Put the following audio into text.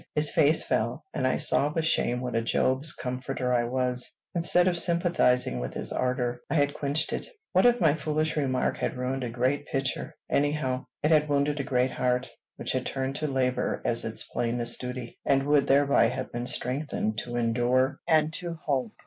His face fell, and I saw with shame what a Job's comforter I was. Instead of sympathizing with his ardor, I had quenched it. What if my foolish remark had ruined a great picture! Anyhow, it had wounded a great heart, which had turned to labor as its plainest duty, and would thereby have been strengthened to endure and to hope.